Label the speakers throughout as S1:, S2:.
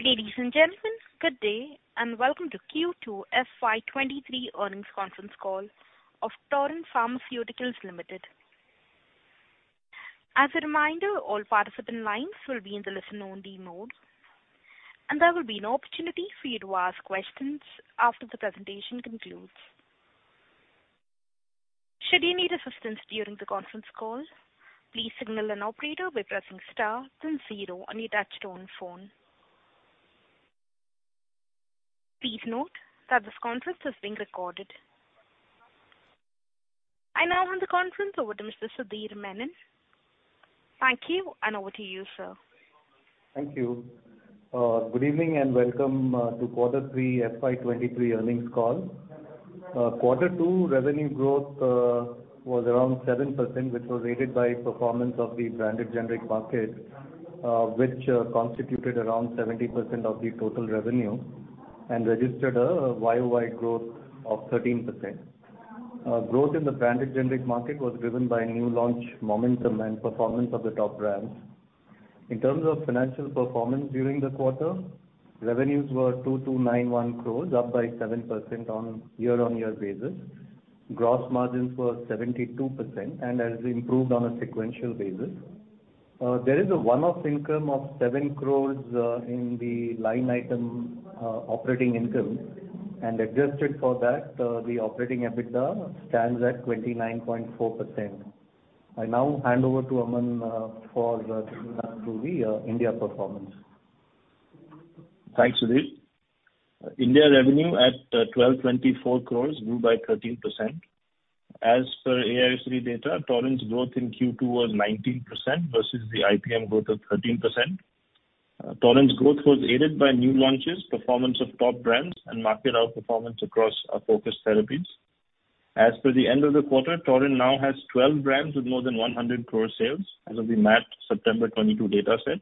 S1: Ladies and gentlemen, good day, and welcome to Q2 FY23 earnings conference call of Torrent Pharmaceuticals Limited. As a reminder, all participant lines will be in the listen-only mode, and there will be an opportunity for you to ask questions after the presentation concludes. Should you need assistance during the conference call, please signal an operator by pressing star then zero on your touchtone phone. Please note that this conference is being recorded. I now hand the conference over to Mr. Sudhir Menon. Thank you, and over to you, sir.
S2: Thank you. Good evening and welcome to quarter three FY 2023 earnings call. Quarter two revenue growth was around 7%, which was aided by performance of the branded generic market, which constituted around 70% of the total revenue and registered a YOY growth of 13%. Growth in the branded generic market was driven by new launch momentum and performance of the top brands. In terms of financial performance during the quarter, revenues were 2291 crore, up by 7% on year-on-year basis. Gross margins were 72% and has improved on a sequential basis. There is a one-off income of 7 crore in the line item operating income, and adjusted for that, the operating EBITDA stands at 29.4%. I now hand over to Aman Mehta for the India performance.
S3: Thanks, Sudhir. India revenue at 1,224 crore grew by 13%. As per AIOCD AWACS data, Torrent's growth in Q2 was 19% versus the IPM growth of 13%. Torrent's growth was aided by new launches, performance of top brands, and market outperformance across our focused therapies. As per the end of the quarter, Torrent now has 12 brands with more than 100 crore sales as of the MAT September 2022 data set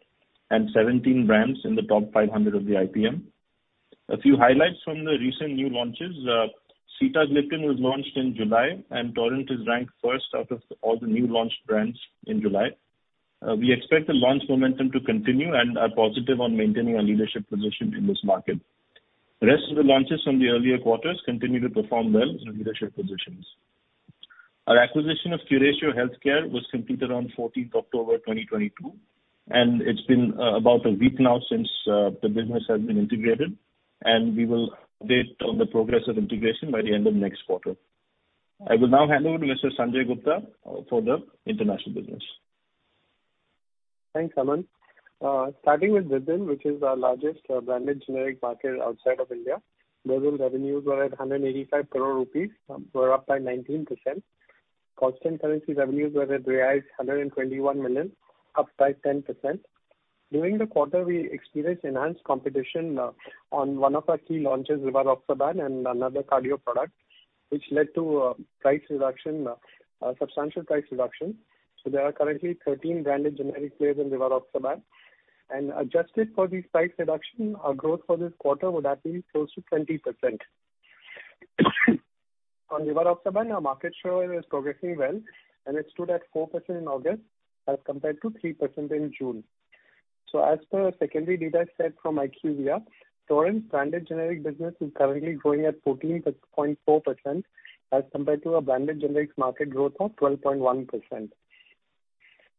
S3: and 17 brands in the top 500 of the IPM. A few highlights from the recent new launches. Sitagliptin was launched in July, and Torrent is ranked first out of all the new launch brands in July. We expect the launch momentum to continue and are positive on maintaining our leadership position in this market. The rest of the launches from the earlier quarters continue to perform well in leadership positions. Our acquisition of Curatio Healthcare was completed on 14th October 2022, and it's been about a week now since the business has been integrated, and we will update on the progress of integration by the end of next quarter. I will now hand over to Mr. Sanjay Gupta for the international business.
S4: Thanks, Aman. Starting with Brazil, which is our largest branded generic market outside of India. Brazil revenues were at 185 crore rupees, were up by 19%. Constant currency revenues were at 121 million, up by 10%. During the quarter, we experienced enhanced competition on one of our key launches, Rivaroxaban, and another cardio product, which led to price reduction, a substantial price reduction. There are currently 13 branded generic players in Rivaroxaban. Adjusted for the price reduction, our growth for this quarter would have been close to 20%. On Rivaroxaban, our market share is progressing well, and it stood at 4% in August as compared to 3% in June. As per a secondary data set from IQVIA, Torrent's branded generic business is currently growing at 14.4% as compared to a branded generics market growth of 12.1%.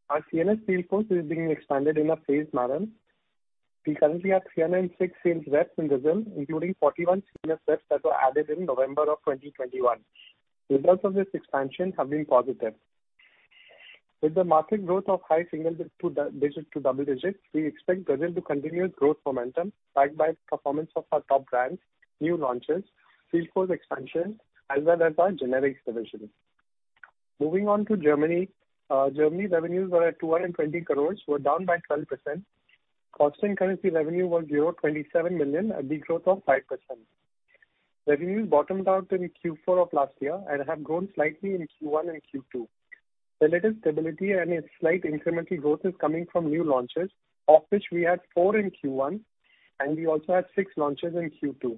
S4: Our CNS field force is being expanded in a phased manner. We currently have 396 sales reps in Brazil, including 41 CNS reps that were added in November 2021. Results of this expansion have been positive. With the market growth of high single-digit to double digits, we expect Brazil to continue its growth momentum backed by performance of our top brands, new launches, field force expansion, as well as our generics division. Moving on to Germany. Germany revenues were at 220 crore, down by 12%. Constant currency revenue was 27 million, a degrowth of 5%. Revenues bottomed out in Q4 of last year and have grown slightly in Q1 and Q2. The latest stability and a slight incremental growth is coming from new launches, of which we had four in Q1, and we also had six launches in Q2.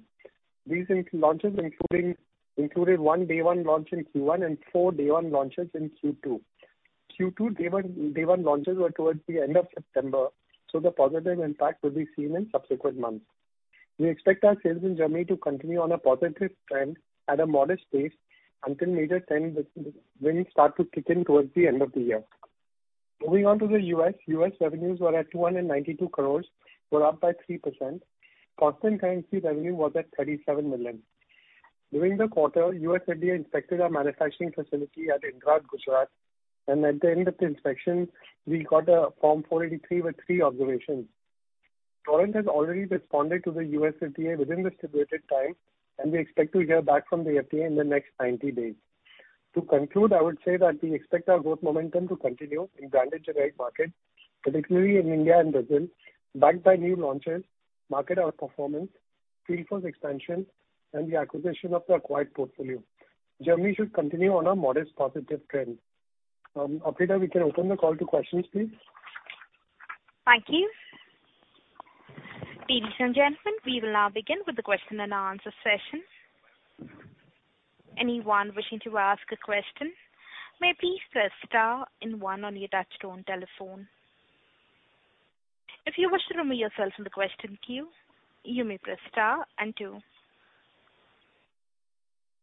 S4: These launches included one day one launch in Q1 and four day one launches in Q2. Q2 day one launches were towards the end of September, so the positive impact will be seen in subsequent months. We expect our sales in Germany to continue on a positive trend at a modest pace until major trends begin to kick in towards the end of the year. Moving on to the U.S. US revenues were at 292 crore, up by 3%. Constant currency revenue was at $37 million. During the quarter, US FDA inspected our manufacturing facility at Indrad, Gujarat, and at the end of the inspection, we got a Form 483 with three observations. Torrent has already responded to the US FDA within the stipulated time, and we expect to hear back from the FDA in the next 90 days. To conclude, I would say that we expect our growth momentum to continue in branded generic market, particularly in India and Brazil, backed by new launches, market outperformance, field force expansion and the acquisition of the acquired portfolio. Germany should continue on a modest positive trend. Operator, we can open the call to questions, please.
S1: Thank you. Ladies and gentlemen, we will now begin with the question and answer session. Anyone wishing to ask a question may please press star and one on your touchtone telephone. If you wish to remove yourself from the question queue, you may press star and two.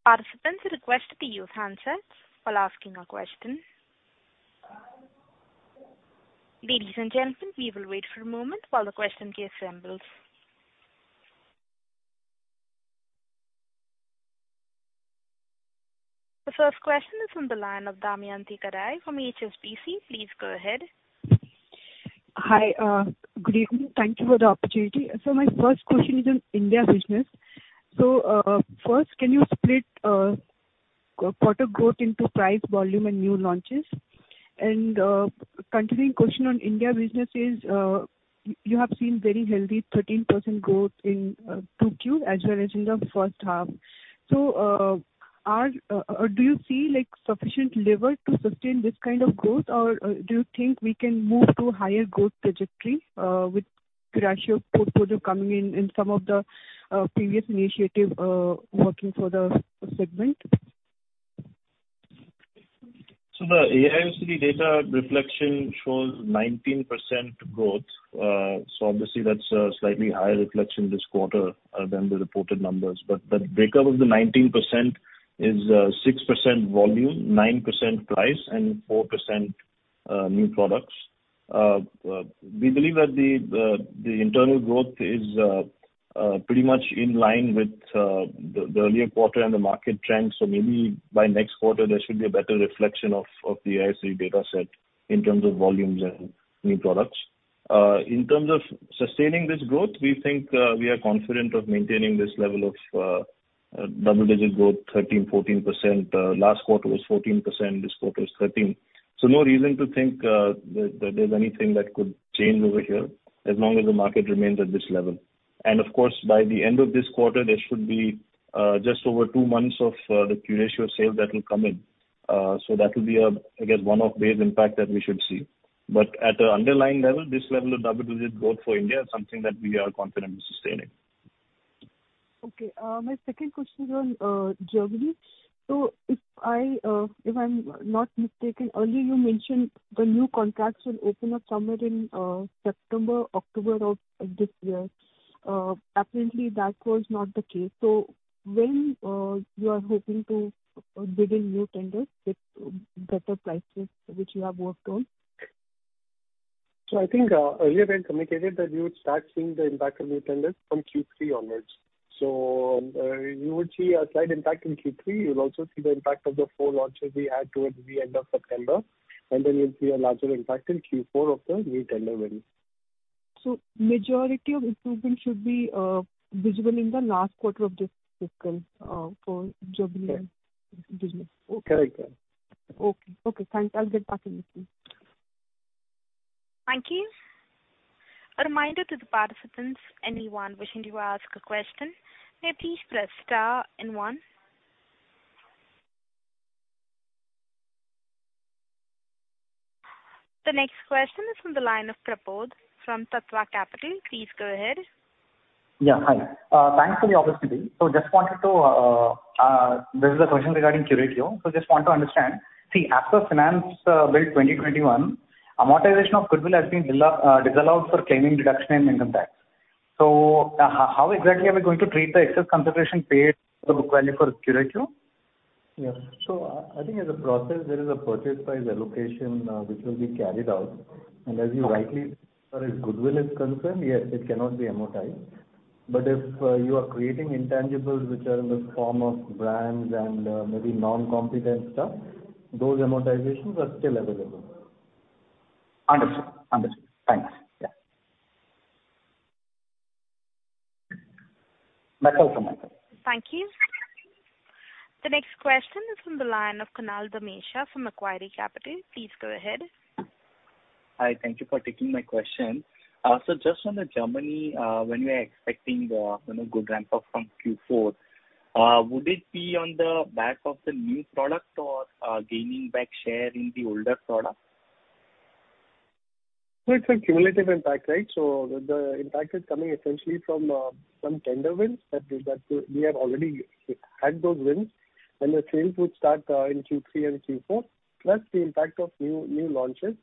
S1: Participants are requested to use handsets while asking a question. Ladies and gentlemen, we will wait for a moment while the question queue assembles. The first question is from the line of Damayanti Kerai from HSBC. Please go ahead.
S5: Hi. Good evening. Thank you for the opportunity. My first question is on India business. First, can you split quarter growth into price, volume and new launches? Continuing question on India business is, you have seen very healthy 13% growth in 2Q as well as in the first half. Do you see like sufficient leverage to sustain this kind of growth, or do you think we can move to higher growth trajectory with Curatio portfolio coming in and some of the previous initiative working for the segment?
S3: The AIOCD AWACS data reflection shows 19% growth. Obviously that's a slightly higher reflection this quarter than the reported numbers. The breakup of the 19% is 6% volume, 9% price and 4% new products. We believe that the internal growth is pretty much in line with the earlier quarter and the market trends. Maybe by next quarter there should be a better reflection of the AIOCD AWACS dataset in terms of volumes and new products. In terms of sustaining this growth, we think we are confident of maintaining this level of double-digit growth, 13%, 14%. Last quarter was 14%, this quarter is 13%. No reason to think that there's anything that could change over here as long as the market remains at this level. Of course, by the end of this quarter there should be just over two months of the Curatio sales that will come in. That will be a, I guess, one-off base impact that we should see. At the underlying level, this level of double-digit growth for India is something that we are confident in sustaining.
S5: Okay. My second question is on Germany. If I'm not mistaken, earlier you mentioned the new contracts will open up somewhere in September, October of this year. Apparently that was not the case. When you are hoping to bid in new tenders with better prices which you have worked on?
S3: I think earlier we had communicated that you would start seeing the impact of new tenders from Q3 onwards. You would see a slight impact in Q3. You'll also see the impact of the four launches we had towards the end of September, and then you'll see a larger impact in Q4 of the new tender wins.
S5: Majority of improvement should be visible in the last quarter of this fiscal for Germany business.
S3: Correct.
S5: Okay. Okay, thanks. I'll get back in with you.
S1: Thank you. A reminder to the participants, anyone wishing to ask a question may please press star and one. The next question is from the line of Pramod from Tattva Capital. Please go ahead.
S6: Hi. Thanks for the opportunity. There's a question regarding Curatio. Just want to understand. See, after Finance Bill, 2021, amortization of goodwill has been disallowed for claiming deduction in income tax. How exactly are we going to treat the excess consideration paid the book value for Curatio?
S3: Yes. I think as a process there is a purchase price allocation, which will be carried out. As goodwill is concerned, yes, it cannot be amortized. If you are creating intangibles which are in the form of brands and maybe non-compete stuff, those amortizations are still available.
S6: Understood. Thanks. Yeah. That's all from my side.
S1: Thank you. The next question is from the line of Kunal Dhamesha from Macquarie Capital. Please go ahead.
S7: Hi, thank you for taking my question. Just on the Germany, when we are expecting the good ramp up from Q4, would it be on the back of the new product or gaining back share in the older product?
S3: It's a cumulative impact, right? The impact is coming essentially from some tender wins that we have already had those wins. The sales would start in Q3 and Q4, plus the impact of new launches,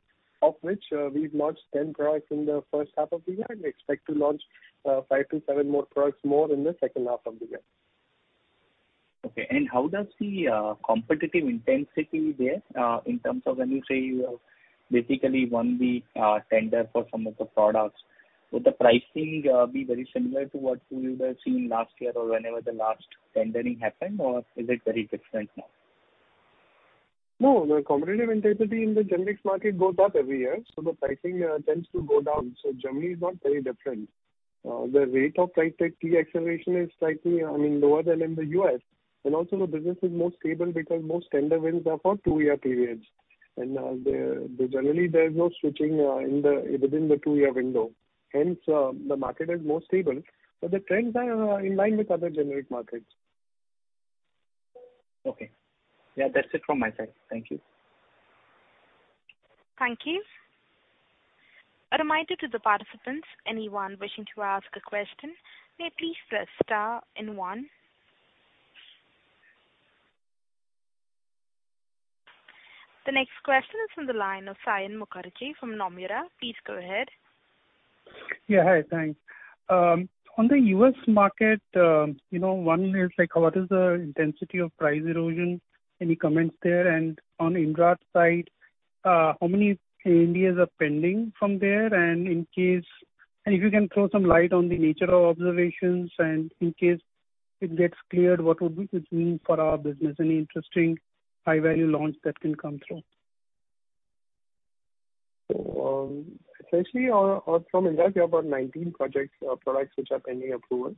S3: of which we've launched 10 products in the first half of the year and expect to launch five-seven more products in the second half of the year.
S7: Okay. How does the competitive intensity there, in terms of when you say you have basically won the tender for some of the products, would the pricing be very similar to what you would have seen last year or whenever the last tendering happened, or is it very different now?
S3: No, the competitive intensity in the generics market goes up every year, so the pricing tends to go down. Germany is not very different. The rate of price deceleration is slightly, I mean, lower than in the U.S. Also the business is more stable because most tender wins are for two-year periods. There generally there's no switching within the two-year window. Hence, the market is more stable. The trends are in line with other generic markets.
S7: Okay. Yeah, that's it from my side. Thank you.
S1: Thank you. A reminder to the participants, anyone wishing to ask a question, may please press star and one. The next question is from the line of Saion Mukherjee from Nomura. Please go ahead.
S8: Yeah. Hi, thanks. On the US market, you know, one is like what is the intensity of price erosion? Any comments there? On Indrad side, how many Indias are pending from there? If you can throw some light on the nature of observations, and in case it gets cleared, what would it mean for our business? Any interesting high-value launch that can come through?
S4: Essentially on from Indrad, we have about 19 projects, products which are pending approval.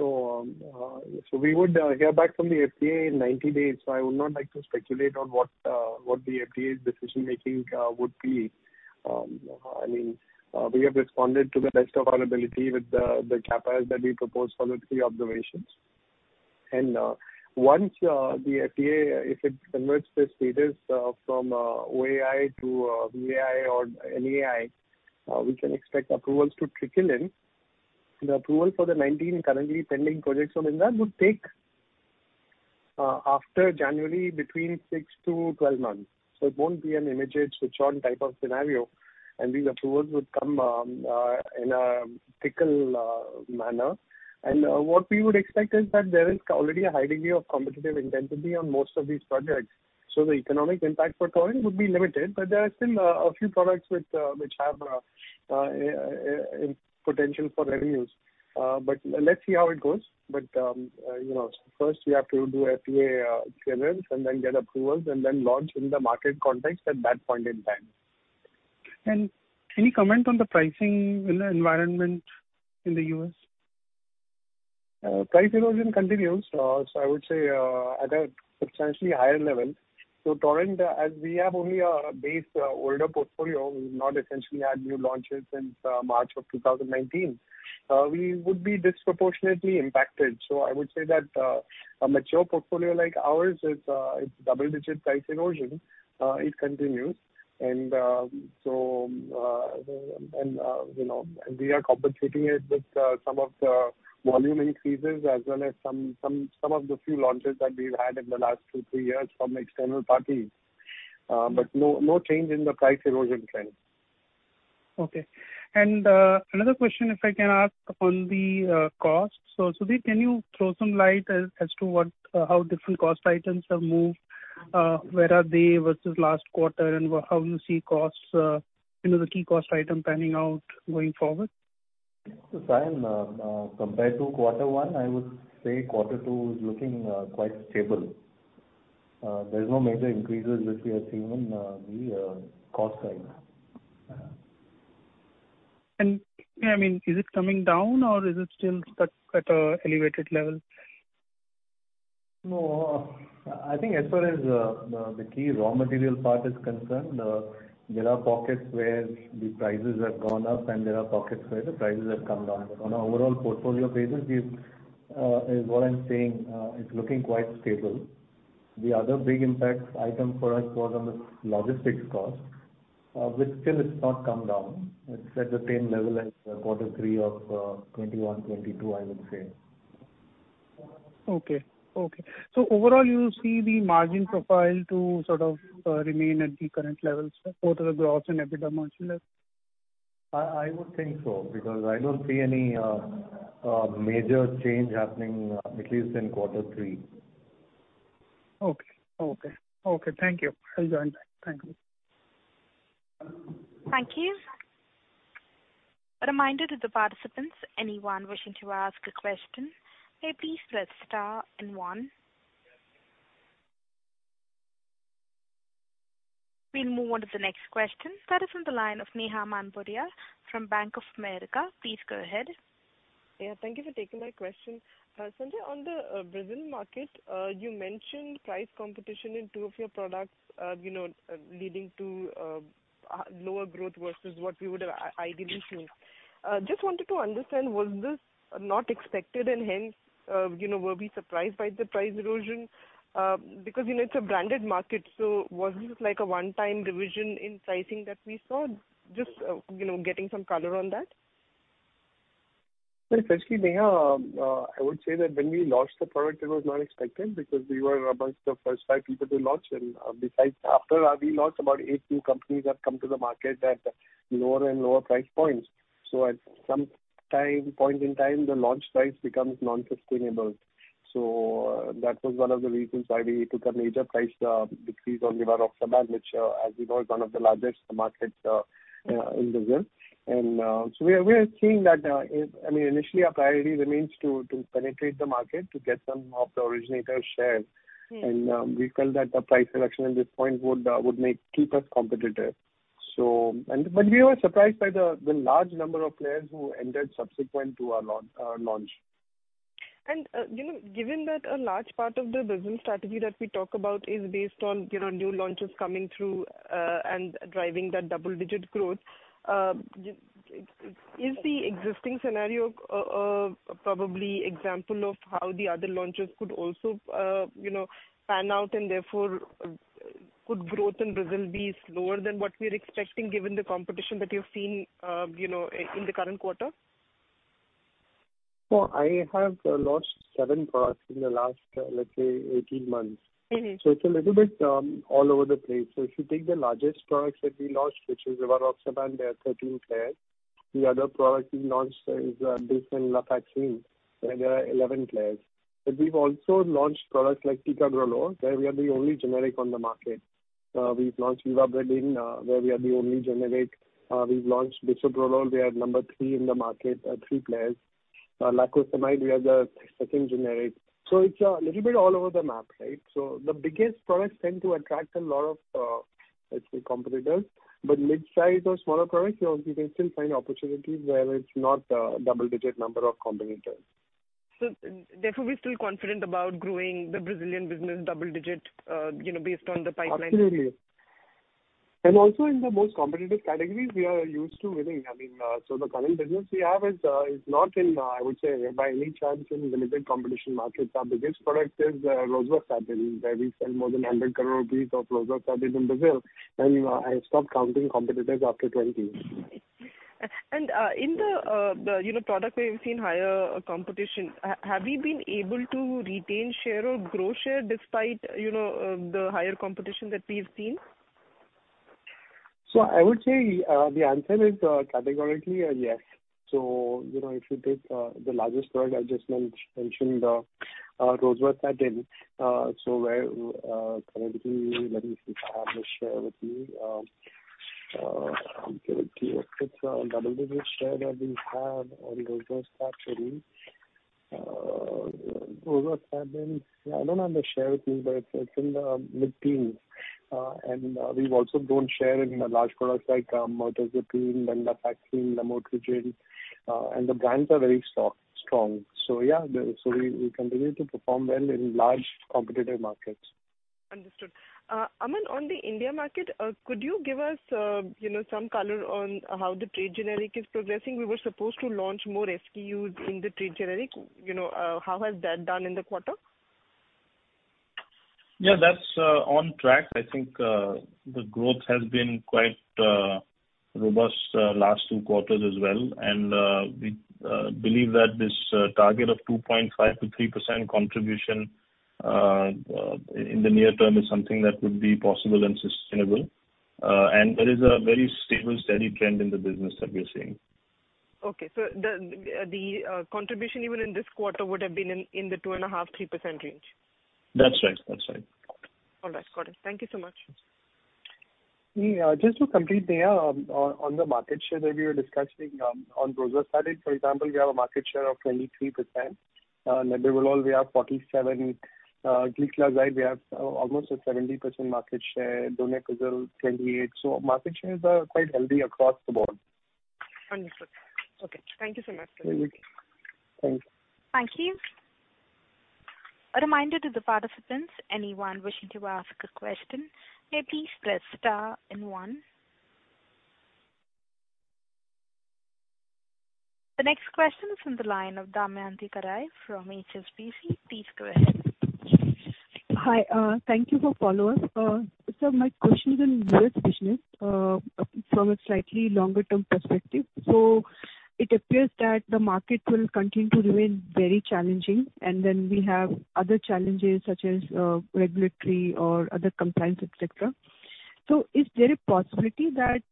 S4: We would hear back from the FDA in 90 days. I would not like to speculate on what the FDA's decision-making would be. I mean, we have responded to the best of our ability with the CapEx that we proposed for the three observations. Once the FDA, if it converts the status from OAI to VAI or NAI, we can expect approvals to trickle in. The approval for the 19 currently pending projects on Indrad would take, after January, between six-12 months. It won't be an immediate switch-on type of scenario, and these approvals would come in a trickle manner. What we would expect is that there is already a high degree of competitive intensity on most of these projects. The economic impact for Torrent would be limited. There are still a few products which have potential for revenues. Let's see how it goes. You know, first we have to do FDA clearance and then get approvals and then launch in the market context at that point in time.
S8: Any comment on the pricing in the environment in the U.S.?
S4: Price erosion continues. I would say at a substantially higher level. Torrent, as we have only a base older portfolio, we've not essentially had new launches since March of 2019. We would be disproportionately impacted. I would say that a mature portfolio like ours is double-digit price erosion. It continues. You know, we are compensating it with some of the volume increases as well as some of the few launches that we've had in the last two, three years from external parties. No change in the price erosion trend.
S8: Okay. Another question, if I can ask on the cost. Sudhir, can you throw some light as to what how different cost items have moved, where are they versus last quarter, and how you see costs, you know, the key cost item panning out going forward?
S2: Saion, compared to quarter one, I would say quarter two is looking quite stable. There's no major increases which we have seen in the cost side.
S8: I mean, is it coming down or is it still stuck at an elevated level?
S2: No. I think as far as the key raw material part is concerned, there are pockets where the prices have gone up and there are pockets where the prices have come down. On an overall portfolio basis, what I'm saying is, it's looking quite stable. The other big impact item for us was on the logistics cost, which still has not come down. It's at the same level as quarter three of 2021-2022, I would say.
S8: Okay. Overall, you see the margin profile to sort of remain at the current levels, both at the gross and EBITDA margin level?
S2: I would think so, because I don't see any major change happening, at least in quarter three.
S8: Okay, thank you. I'll join back. Thank you.
S1: Thank you. A reminder to the participants, anyone wishing to ask a question, may please press star and one. We'll move on to the next question. That is from the line of Neha Manpuria from Bank of America. Please go ahead.
S9: Yeah, thank you for taking my question. Sanjay, on the Brazil market, you mentioned price competition in two of your products, you know, leading to lower growth versus what we would have ideally seen. Just wanted to understand, was this not expected and hence, you know, were we surprised by the price erosion? Because, you know, it's a branded market, so was this like a one-time revision in pricing that we saw? Just, you know, getting some color on that.
S4: Essentially, Neha, I would say that when we launched the product, it was not expected because we were among the first five people to launch. Besides, after we launched, about two companies have come to the market at lower and lower price points. At some point in time, the launch price becomes non-sustainable. That was one of the reasons why we took a major price decrease on Rivaroxaban, which, as you know, is one of the largest markets in Brazil. We are seeing that. I mean, initially our priority remains to penetrate the market, to get some of the originator share.
S9: Hmm.
S4: We felt that the price reduction at this point would keep us competitive. We were surprised by the large number of players who entered subsequent to our launch.
S9: You know, given that a large part of the business strategy that we talk about is based on, you know, new launches coming through, and driving that double-digit growth, is the existing scenario probably an example of how the other launches could also, you know, pan out and therefore could the growth in Brazil be slower than what we're expecting given the competition that you've seen, you know, in the current quarter?
S4: Well, I have launched 7 products in the last, let's say, 18 months.
S9: Mm-hmm.
S4: It's a little bit all over the place. If you take the largest products that we launched, which is Rivaroxaban, there are 13 players. The other product we launched is different Dapagliflozin, where there are 11 players. We've also launched products like ticagrelor, where we are the only generic on the market. We've launched Rivaroxaban, where we are the only generic. We've launched bisoprolol. We are number three in the market, three players. Lacosamide, we are the second generic. It's a little bit all over the map, right? The biggest products tend to attract a lot of, let's say, competitors. Mid-size or smaller products, you know, you can still find opportunities where it's not a double-digit number of competitors.
S9: We're still confident about growing the Brazilian business double-digit, you know, based on the pipeline.
S4: Absolutely. Also in the most competitive categories we are used to winning. I mean, the current business we have is not in, I would say by any chance in limited competition markets. Our biggest product is Rosuvastatin, where we sell more than 100 crore rupees of Rosuvastatin in Brazil, and I stopped counting competitors after 20.
S9: In the you know, product where you've seen higher competition, have you been able to retain share or grow share despite, you know, the higher competition that we have seen?
S4: I would say, the answer is, categorically a yes. You know, if you take the largest product I just mentioned, rosuvastatin, where currently let me see. I have the share with me. Let's see. It's a double-digit share that we have on rosuvastatin. Rosuvastatin, I don't have the share with me, but it's in the mid-teens. And we also grown share in the large products like rivaroxaban, lapatinib, amlodipine. And the brands are very strong. We continue to perform well in large competitive markets.
S9: Understood. Aman, on the India market, could you give us, you know, some color on how the trade generic is progressing? We were supposed to launch more SKUs in the trade generic. You know, how has that done in the quarter?
S3: Yeah, that's on track. I think the growth has been quite robust last two quarters as well. We believe that this target of 2.5%-3% contribution in the near term is something that would be possible and sustainable. There is a very stable, steady trend in the business that we're seeing.
S9: Okay. The contribution even in this quarter would have been in the 2.5%-3% range.
S3: That's right. That's right.
S9: All right. Got it. Thank you so much.
S4: Yeah, just to complete, Neha, on the market share that we were discussing, on Rosuvastatin for example, we have a market share of 23%. Nebivolol we have 47%. Glipizide we have almost a 70% market share. Donepezil, 28%. Market shares are quite healthy across the board.
S9: Understood. Okay. Thank you so much.
S4: Mm-hmm. Thanks.
S1: Thank you. A reminder to the participants, anyone wishing to ask a question may please press star and one. The next question is from the line of Damayanti Kerai from HSBC. Please go ahead.
S5: Hi. Thank you for following. My question is on US business, from a slightly longer term perspective. It appears that the market will continue to remain very challenging, and then we have other challenges such as, regulatory or other compliance, et cetera. Is there a possibility that,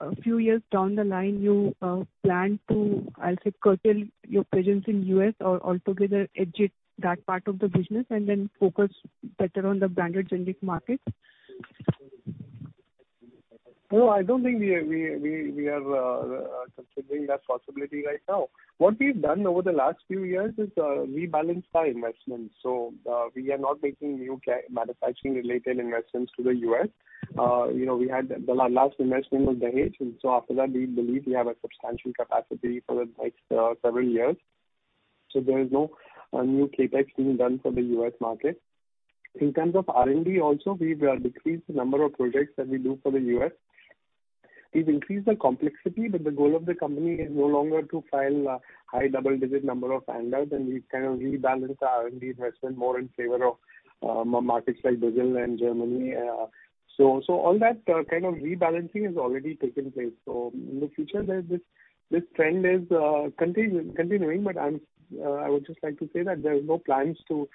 S5: a few years down the line you, plan to, I'll say, curtail your presence in U.S. or altogether exit that part of the business and then focus better on the branded generic market?
S4: No, I don't think we are considering that possibility right now. What we've done over the last few years is rebalance our investments. We are not making new manufacturing related investments to the U.S. You know, our last investment was the Dahej. After that, we believe we have a substantial capacity for the next several years. There is no new CapEx being done for the US market. In terms of R&D also, we have decreased the number of projects that we do for the U.S. We've increased the complexity, but the goal of the company is no longer to file a high double-digit number of ANDAs, and we kind of rebalance our R&D investment more in favor of markets like Brazil and Germany. All that kind of rebalancing has already taken place. In the future this trend is continuing. I would just like to say that there is no plans to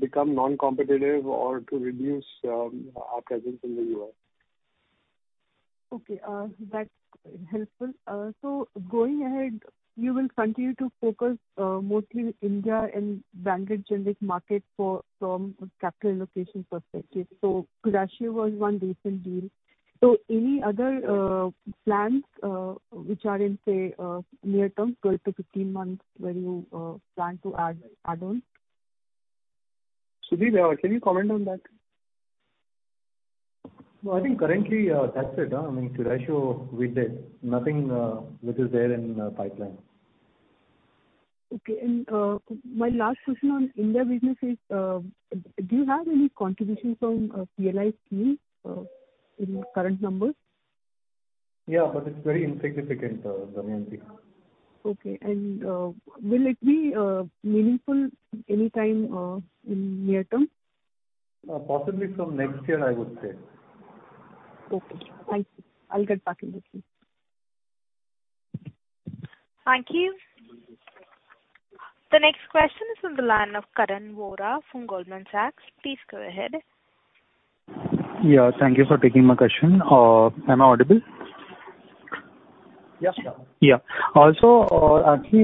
S4: become non-competitive or to reduce our presence in the U.S.
S5: Okay, that's helpful. Going ahead, you will continue to focus mostly India and branded generic market for, from a capital allocation perspective. Curatio was one recent deal. Any other plans which are in, say, near term, 12-15 months, where you plan to add on?
S4: Sudhir, can you comment on that?
S2: No, I think currently, that's it. I mean, Curatio we did. Nothing, which is there in the pipeline.
S5: Okay. My last question on India business is, do you have any contribution from PLI scheme in current numbers?
S2: Yeah, it's very insignificant, Damayanti.
S5: Okay. Will it be meaningful anytime in near term?
S2: Possibly from next year, I would say. Okay. Thank you. I'll get back in touch with you.
S1: Thank you. The next question is on the line of Karan Vora from Goldman Sachs. Please go ahead.
S10: Yeah. Thank you for taking my question. Am I audible?
S3: Yes.
S10: Actually,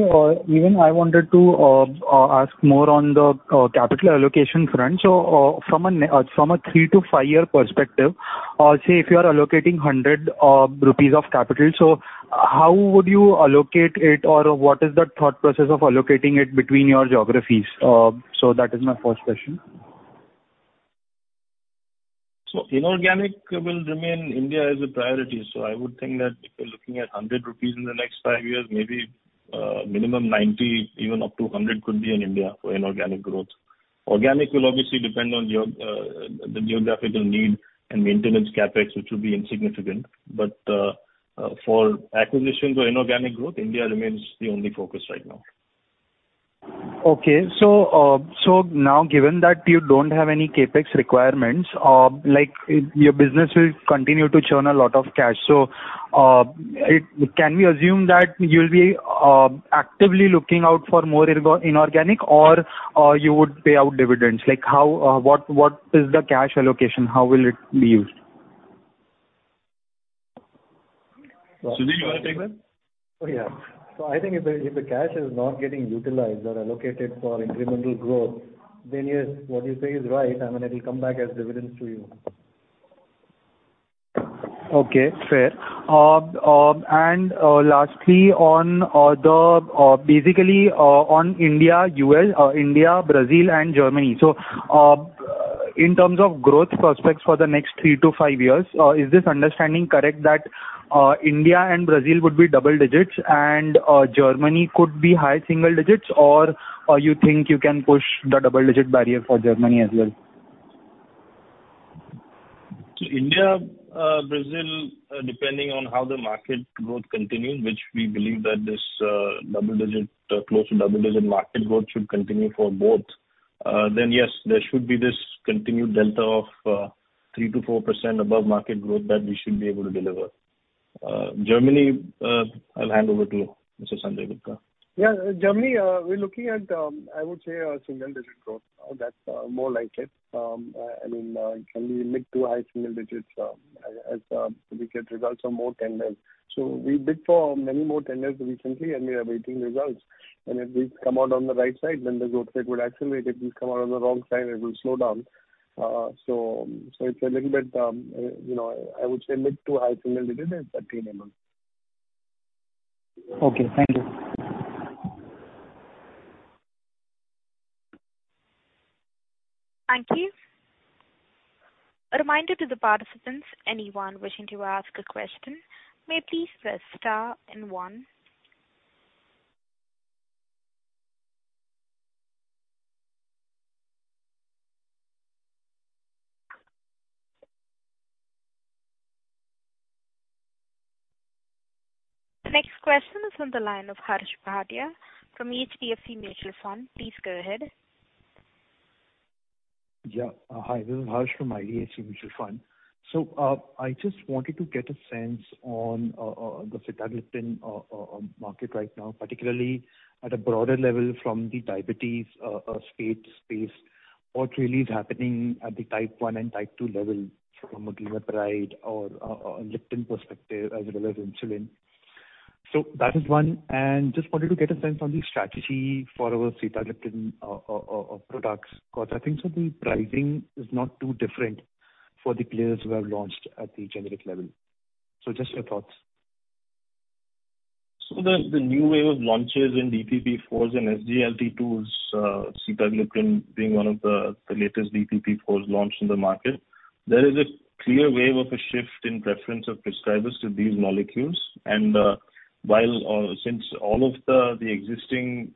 S10: even I wanted to ask more on the capital allocation front. From a three-five-year perspective, say if you are allocating 100 crore rupees of capital, how would you allocate it or what is the thought process of allocating it between your geographies? That is my first question.
S3: Inorganic will remain India as a priority. I would think that if you're looking at 100 rupees in the next five years, maybe, minimum 90, even up to 100 could be in India for inorganic growth. Organic will obviously depend on the geographical need and maintenance CapEx, which will be insignificant. For acquisitions or inorganic growth, India remains the only focus right now.
S10: Now given that you don't have any CapEx requirements, like, your business will continue to churn a lot of cash. Can we assume that you'll be actively looking out for more inorganic or you would pay out dividends? Like, how, what is the cash allocation? How will it be used?
S3: Sanjay, you wanna take that?
S4: Oh, yeah. I think if the cash is not getting utilized or allocated for incremental growth, then yes, what you say is right. I mean, it'll come back as dividends to you.
S10: Okay. Fair. Lastly, basically on India, U.S., Brazil and Germany. In terms of growth prospects for the next three to five years, is this understanding correct that India and Brazil would be double digits and Germany could be high single digits or you think you can push the double digit barrier for Germany as well?
S3: India, Brazil, depending on how the market growth continues, which we believe that this, double digit, close to double digit market growth should continue for both, then yes, there should be this continued delta of, 3%-4% above market growth that we should be able to deliver. Germany, I'll hand over to Mr. Sanjay Gupta.
S4: Yeah. Germany, we're looking at, I would say single-digit growth. That's more likely. I mean, it can be mid- to high single digits, as we get results from more tenders. We bid for many more tenders recently and we are awaiting results. If these come out on the right side, then the growth rate would accelerate. If these come out on the wrong side, it will slow down. It's a little bit, you know, I would say mid- to high single digits at the moment.
S10: Okay. Thank you.
S1: Thank you. A reminder to the participants, anyone wishing to ask a question may please press star and one. The next question is on the line of Harsh Bhatia from HDFC Mutual Fund. Please go ahead.
S11: Hi, this is Harsh Bhatia from Bandhan AMC Ltd. I just wanted to get a sense on the Sitagliptin on market right now, particularly at a broader level from the diabetes space. What really is happening at the type 1 and type 2 level from Glimepiride or gliptin perspective as well as insulin. That is one. Just wanted to get a sense on the strategy for our Sitagliptin products, because I think the pricing is not too different for the players who have launched at the generic level. Just your thoughts.
S3: The new wave of launches in DPP-4s and SGLT2s, Sitagliptin being one of the latest DPP-4s launched in the market. There is a clear wave of a shift in preference of prescribers to these molecules. Since all of the existing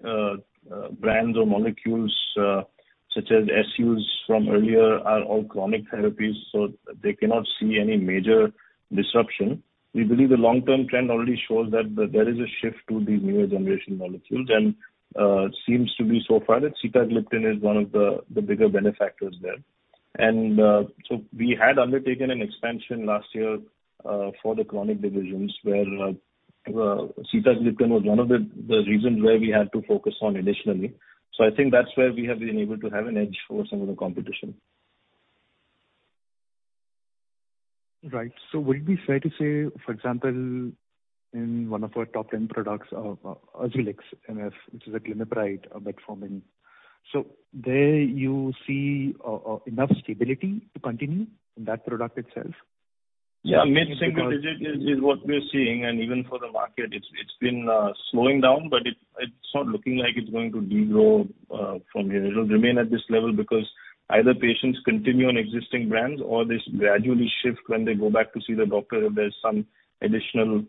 S3: brands or molecules, such as Sulfonylureas from earlier are all chronic therapies, so they cannot see any major disruption. We believe the long-term trend already shows that there is a shift to these newer generation molecules and seems to be so far that Sitagliptin is one of the bigger benefactors there. We had undertaken an expansion last year for the chronic divisions where Sitagliptin was one of the reasons where we had to focus on additionally. I think that's where we have been able to have an edge for some of the competition.
S11: Right. Would it be fair to say, for example, in one of our top ten products, Azulix MF, which is a Glimepiride, metformin. There you see, enough stability to continue in that product itself?
S3: Yeah. Mid-single digit is what we're seeing. Even for the market, it's been slowing down, but it's not looking like it's going to de-grow from here. It'll remain at this level because either patients continue on existing brands or they gradually shift when they go back to see the doctor if there's some additional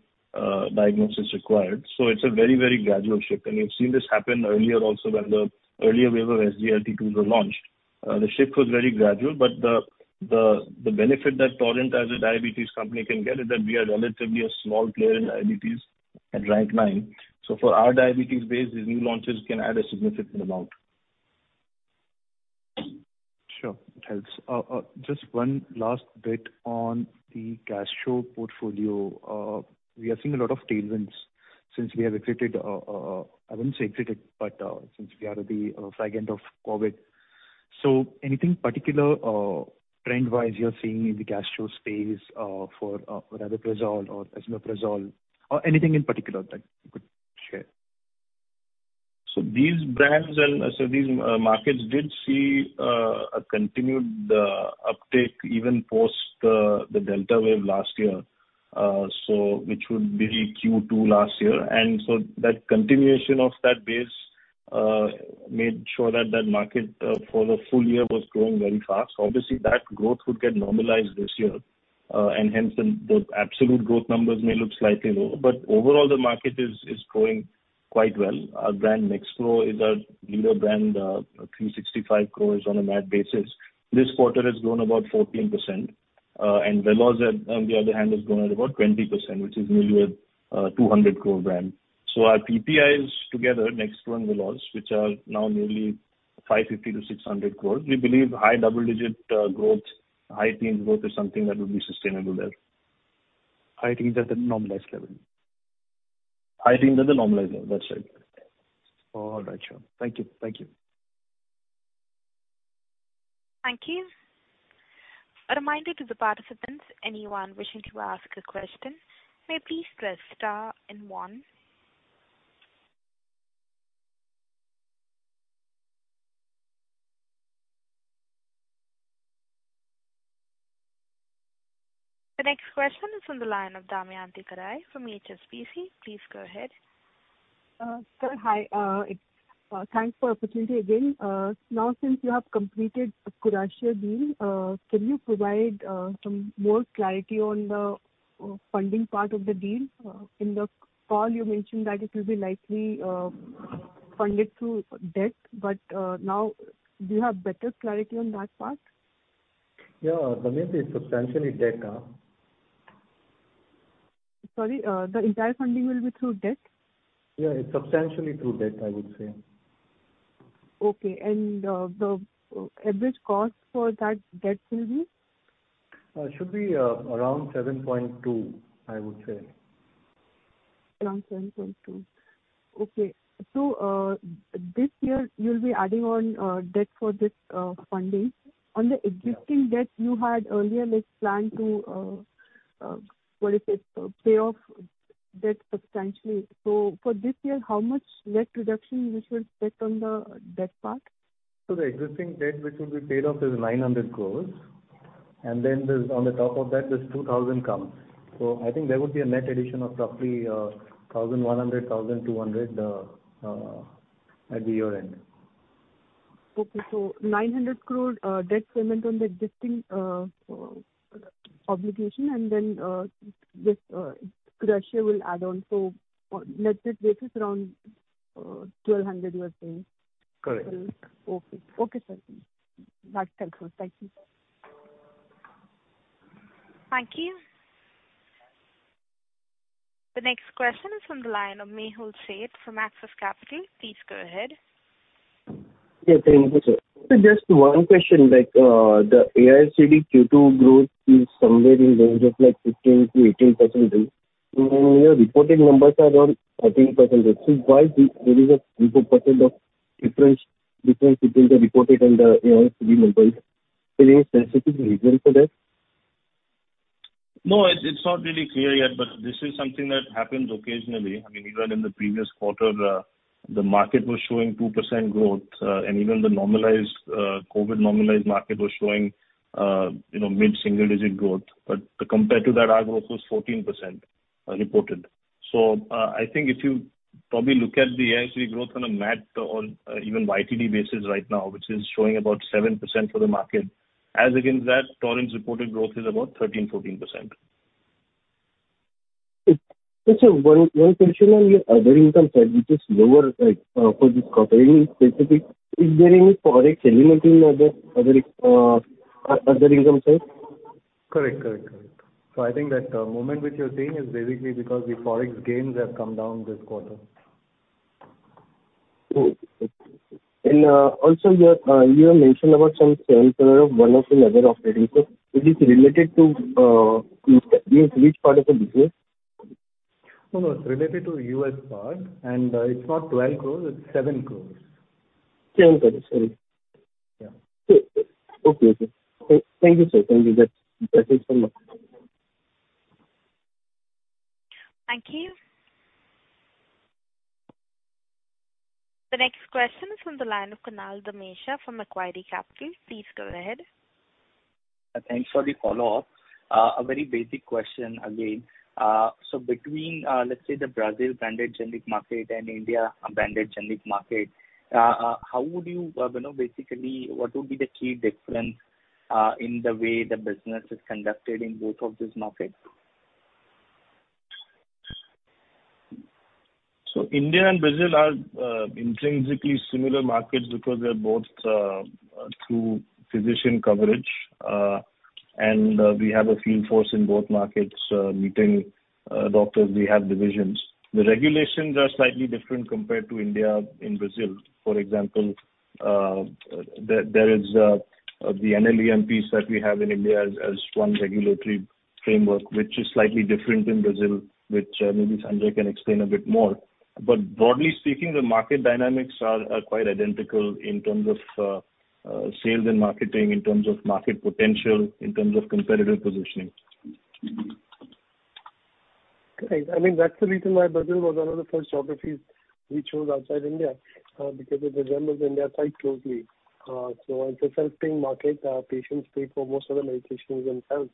S3: diagnosis required. It's a very, very gradual shift. We've seen this happen earlier also when the earlier wave of SGLT2s were launched. The shift was very gradual, but the benefit that Torrent as a diabetes company can get is that we are relatively a small player in diabetes at rank nine. For our diabetes base, these new launches can add a significant amount.
S11: Sure, it helps. Just one last bit on the gastro portfolio. We are seeing a lot of tailwinds. I wouldn't say exited, but since we are at the far end of COVID. Anything particular or trend-wise you are seeing in the gastro space, or rather Pantoprazole or Esomeprazole or anything in particular that you could share?
S3: These brands and markets did see a continued uptick even post the Delta wave last year, which would be Q2 last year. That continuation of that base made sure that market for the full year was growing very fast. Obviously, that growth would get normalized this year. Hence the absolute growth numbers may look slightly low, but overall the market is growing quite well. Our brand Nexpro is our leader brand, 365 crore on a net basis. This quarter has grown about 14%. Veloz, on the other hand, has grown at about 20%, which is nearly a 200 crore brand. Our PPIs together, Nexpro and Veloz, which are now nearly 550- 600 crore, we believe high double-digit growth, high teen growth is something that will be sustainable there.
S11: High teens at the normalized level.
S3: High teens at the normalized level. That's right.
S11: All right, sure. Thank you. Thank you.
S1: Thank you. A reminder to the participants, anyone wishing to ask a question, may please press star and one. The next question is from the line of Damayanti Kerai from HSBC. Please go ahead.
S5: Sir, hi. Thanks for opportunity again. Now since you have completed the Curatio deal, can you provide some more clarity on the funding part of the deal? In the call you mentioned that it will be likely funded through debt, but now do you have better clarity on that part?
S3: Yeah, Damayanti, it's substantially debt-free now.
S5: Sorry, the entire funding will be through debt?
S3: Yeah, it's substantially through debt, I would say.
S5: Okay. The average cost for that debt will be?
S3: Should be around 7.2, I would say.
S5: Around 7.2. Okay. This year you'll be adding on debt for this funding. On the existing debt you had earlier made plan to pay off debt substantially. For this year, how much debt reduction you should set on the debt part?
S3: The existing debt which will be paid off is 900 crore. Then there's on top of that, there's two thousand crores. I think there would be a net addition of roughly 1,100 crore-1,200 crore at the year-end.
S5: Okay. Nine hundred crore debt payment on the existing obligation, and then this Curatio will add on. Let's say this is around twelve hundred you are saying.
S3: Correct.
S5: Okay. Okay, sir. That's helpful. Thank you.
S1: Thank you. The next question is from the line of Mehul Sheth from Axis Capital. Please go ahead.
S12: Yeah, thank you, sir. Just one question, like, the AIOCD Q2 growth is somewhere in range of like 15%-18% growth. Your reported numbers are around 13% growth. Why is there a 3%-4% difference between the reported and the AIOCD numbers? Is there any specific reason for that?
S3: No, it's not really clear yet, but this is something that happens occasionally. I mean, even in the previous quarter, the market was showing 2% growth, and even the normalized, COVID normalized market was showing, you know, mid-single digit growth. Compared to that, our growth was 14%, reported. I think if you probably look at the AIOCD growth on a MAT or even YTD basis right now, which is showing about 7% for the market, as against that, Torrent reported growth is about 13%-14%.
S12: Okay. Just one question on your other income side, which is lower, like, for this quarter. Any specific? Is there any forex elimination other income side?
S3: Correct. I think that movement which you're seeing is basically because the Forex gains have come down this quarter.
S12: Okay, also you have mentioned about some sales of one or two other operating. Is this related to which part of the business?
S3: No, no, it's related to U.S. part. It's not 12 crore, it's 7 crore.
S12: 7 crore, sorry.
S3: Yeah.
S12: Okay. Thank you, sir. Thank you. That's from us.
S1: Thank you. The next question is from the line of Kunal Dhamesha from Macquarie Capital. Please go ahead.
S7: Thanks for the follow-up. A very basic question again. Between, let's say the Brazil branded generic market and India unbranded generic market, how would you know, basically what would be the key difference in the way the business is conducted in both of these markets?
S3: India and Brazil are intrinsically similar markets because they're both through physician coverage. We have a field force in both markets meeting doctors. We have divisions. The regulations are slightly different compared to India in Brazil. For example, there is the NLEM piece that we have in India as one regulatory framework, which is slightly different in Brazil, which maybe Sanjay can explain a bit more. Broadly speaking, the market dynamics are quite identical in terms of sales and marketing, in terms of market potential, in terms of competitive positioning.
S4: Great. I mean, that's the reason why Brazil was one of the first geographies we chose outside India, because it resembles India quite closely. It's a self-paying market. Patients pay for most of the medications themselves,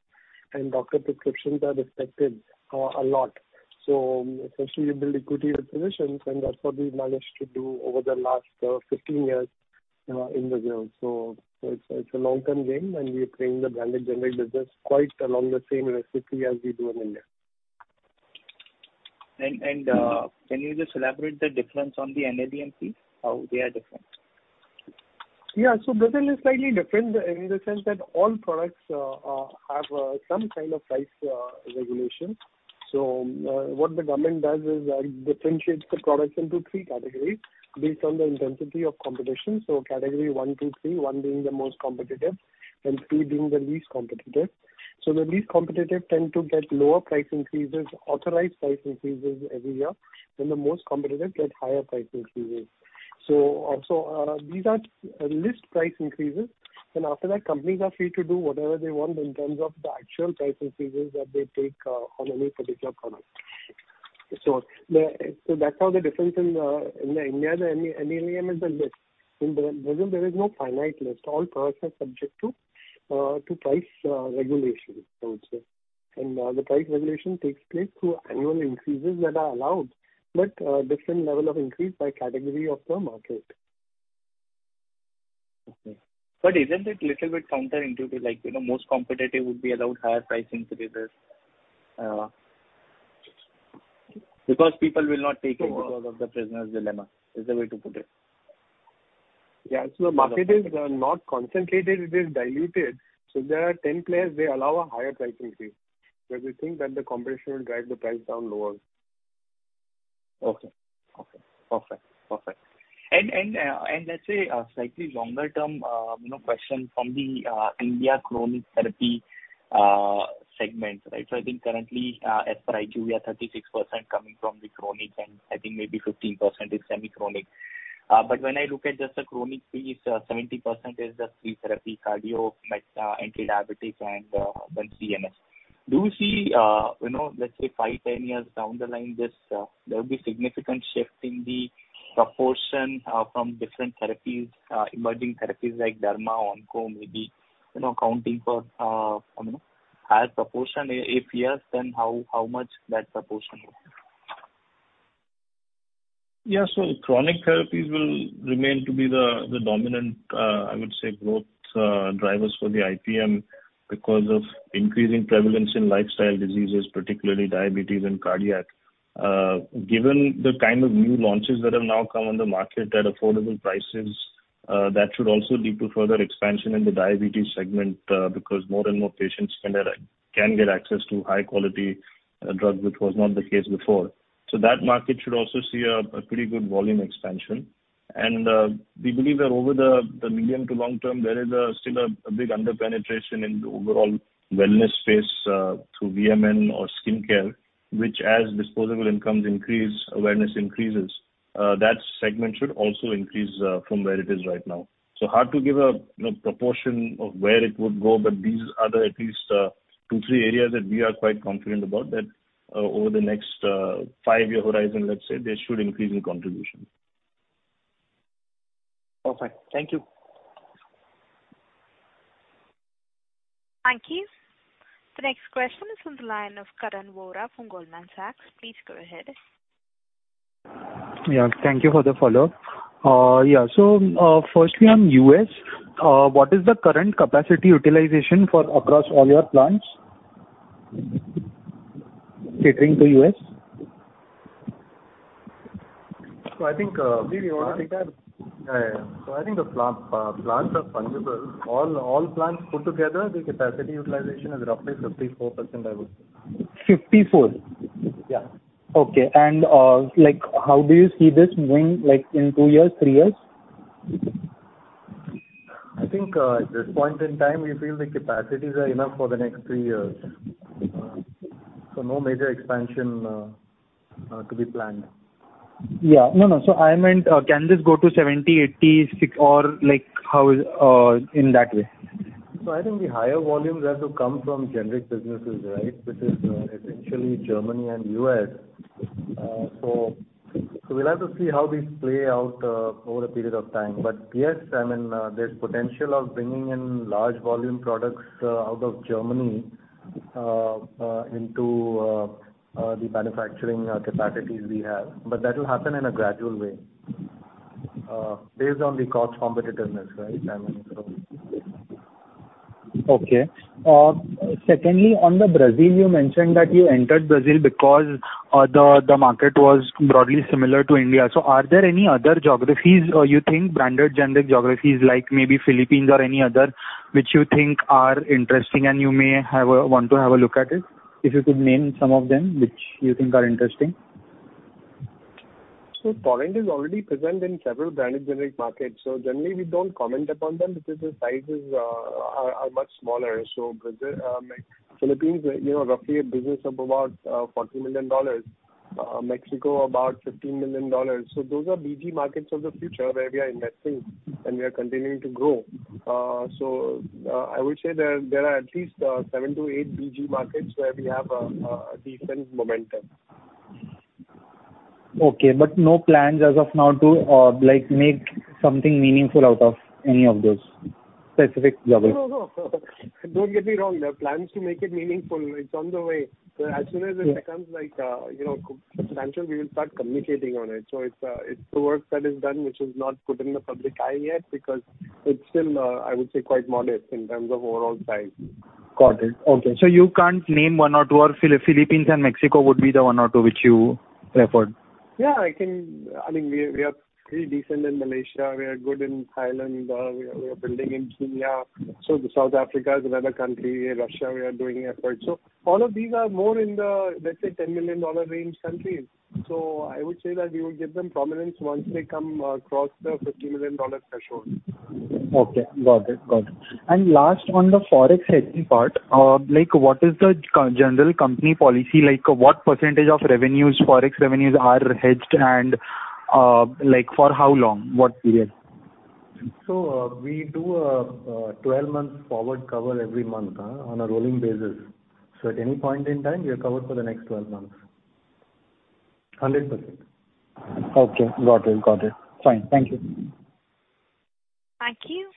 S4: and doctor prescriptions are respected a lot. Essentially you build equity with physicians, and that's what we've managed to do over the last 15 years in Brazil. It's a long-term game, and we're playing the brand extension business quite along the same recipe as we do in India.
S7: Can you just elaborate the difference on the NLEM piece? How they are different.
S4: Yeah. Brazil is slightly different in the sense that all products have some kind of price regulation. What the government does is differentiates the products into three categories based on the intensity of competition. Category one, two, three, one being the most competitive and three being the least competitive. The least competitive tend to get lower price increases, authorized price increases every year, and the most competitive get higher price increases. These are list price increases, and after that, companies are free to do whatever they want in terms of the actual price increases that they take on any particular product. That's how the difference in India, the NLEM is a list. In Brazil, there is no finite list. All products are subject to price regulation, I would say. The price regulation takes place through annual increases that are allowed, but different level of increase by category of the market.
S7: Okay. Isn't it little bit counterintuitive, like, you know, most competitive would be allowed higher price increases, because people will not take it because of the prisoner's dilemma, is the way to put it.
S4: Yeah. The market is not concentrated, it is diluted. If there are 10 players, they allow a higher price increase because they think that the competition will drive the price down lower.
S7: Let's say a slightly longer term, you know, question from the India chronic therapy segment, right? I think currently, as per IQVIA, 36% coming from the chronic and I think maybe 15% is semi-chronic. But when I look at just the chronic piece, 70% is just three therapies, cardio, anti-diabetes and then CNS. Do you see, you know, let's say five, 10 years down the line, there will be significant shift in the proportion from different therapies, emerging therapies like derma, onco, maybe, you know, accounting for higher proportion. If yes, then how much that proportion will be?
S3: Yeah. Chronic therapies will remain to be the dominant growth drivers for the IPM because of increasing prevalence in lifestyle diseases, particularly diabetes and cardiac. Given the kind of new launches that have now come on the market at affordable prices, that should also lead to further expansion in the diabetes segment because more and more patients can get access to high quality drug, which was not the case before. That market should also see a pretty good volume expansion. We believe that over the medium to long term, there is still a big under-penetration in the overall wellness space through VMS or skincare, which as disposable incomes increase, awareness increases. That segment should also increase from where it is right now. Hard to give a, you know, proportion of where it would go, but these are at least two, three areas that we are quite confident about that over the next five-year horizon, let's say, they should increase in contribution.
S7: Perfect. Thank you.
S1: Thank you. The next question is from the line of Karan Vora from Goldman Sachs. Please go ahead.
S10: Yeah. Thank you for the follow-up. Yeah. Firstly on U.S., what is the current capacity utilization for across all your plants catering to U.S.?
S3: I think, Sanjay, you wanna take that?
S4: I think the plants are fungible. All plants put together, the capacity utilization is roughly 54%, I would say.
S10: 54?
S4: Yeah.
S10: Okay. Like, how do you see this moving, like, in two years, three years?
S4: I think, at this point in time, we feel the capacities are enough for the next three years. No major expansion to be planned.
S10: Yeah. No, no. I meant, can this go to 70, 80, 60 or like how is in that way?
S4: I think the higher volumes have to come from generic businesses, right, which is essentially Germany and U.S. We'll have to see how these play out over a period of time. Yes, I mean, there's potential of bringing in large volume products out of Germany into the manufacturing capacities we have. That will happen in a gradual way. Based on the cost competitiveness, right? I mean
S10: Okay. Secondly, on Brazil, you mentioned that you entered Brazil because the market was broadly similar to India. Are there any other geographies you think branded generic geographies, like maybe Philippines or any other, which you think are interesting and you may want to have a look at it? If you could name some of them which you think are interesting.
S4: Torrent is already present in several branded generic markets, so generally we don't comment upon them because the sizes are much smaller. Brazil, like Philippines, you know, roughly a business of about $40 million. Mexico, about $15 million. Those are BG markets of the future where we are investing and we are continuing to grow. I would say there are at least seven-eight BG markets where we have a decent momentum.
S10: Okay. No plans as of now to, like, make something meaningful out of any of those specific geographies?
S4: No, no, don't get me wrong. There are plans to make it meaningful. It's on the way. As soon as it becomes like, you know, substantial, we will start communicating on it. It's the work that is done which is not put in the public eye yet because it's still, I would say, quite modest in terms of overall size.
S10: Got it. Okay. You can't name one or two, or Philippines and Mexico would be the one or two which you prefer?
S4: I mean, we are pretty decent in Malaysia. We are good in Thailand. We are building in Kenya. South Africa is another country. Russia, we are making efforts. All of these are more in the, let's say, $10 million range countries. I would say that we will give them prominence once they come across the $50 million threshold.
S10: Okay. Got it. Last, on the Forex hedging part, like what is the general company policy like? What percentage of revenues, Forex revenues are hedged and, like for how long? What period?
S4: We do a 12-month forward cover every month on a rolling basis. At any point in time, we are covered for the next 12 months. 100%.
S10: Okay. Got it. Fine. Thank you.
S1: Thank you.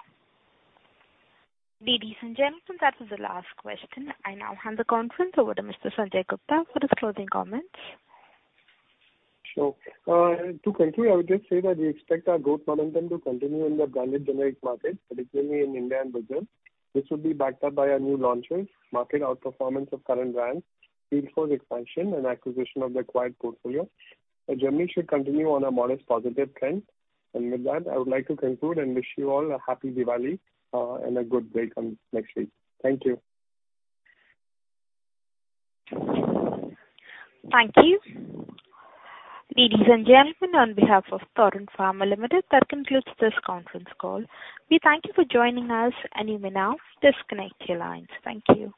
S1: Ladies and gentlemen, that was the last question. I now hand the conference over to Mr. Sanjay Gupta for his closing comments.
S4: Sure. To conclude, I would just say that we expect our growth momentum to continue in the branded generic markets, particularly in India and Brazil. This will be backed up by our new launches, market outperformance of current brands, field force expansion and acquisition of the acquired portfolio. Germany should continue on a modest positive trend. With that, I would like to conclude and wish you all a happy Diwali, and a good break on next week. Thank you.
S1: Thank you. Ladies and gentlemen, on behalf of Torrent Pharma Limited, that concludes this conference call. We thank you for joining us, and you may now disconnect your lines. Thank you.